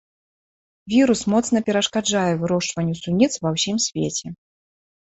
Вірус моцна перашкаджае вырошчванню суніц ва ўсім свеце.